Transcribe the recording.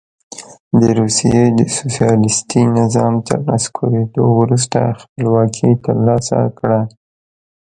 د روسیې د سوسیالیستي نظام تر نسکورېدو وروسته خپلواکي ترلاسه کړه.